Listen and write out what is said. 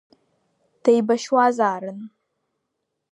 Деибашьуазаарын.